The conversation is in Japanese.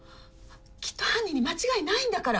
きっと犯人に間違いないんだから。